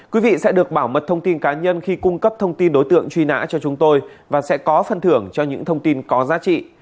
quý vị sẽ được bảo mật thông tin cá nhân khi cung cấp thông tin đối tượng truy nã cho chúng tôi và sẽ có phân thưởng cho những thông tin có giá trị